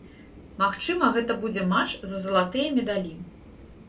Магчыма, гэта будзе матч за залатыя медалі.